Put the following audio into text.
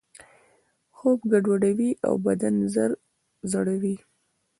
خوب ګډوډوي او بدن ژر زړوي.